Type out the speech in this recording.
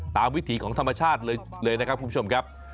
วิถีของธรรมชาติเลยนะครับคุณผู้ชมครับ